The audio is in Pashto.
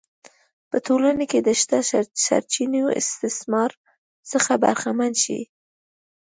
په ټولنه کې د شته سرچینو استثمار څخه برخمن شي.